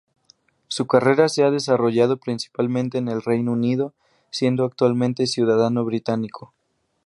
Su carrera se ha desarrollado principalmente en el Reino Unido, siendo actualmente ciudadano británico.